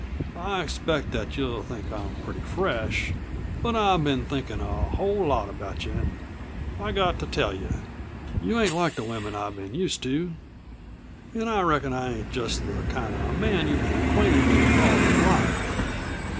I expect that you'll think I'm pretty fresh, but I've been thinkin' a whole lot about you an' I've got to tell you. You ain't like the women I've been used to. An' I reckon I ain't just the kind of man you've been acquainted with all your life.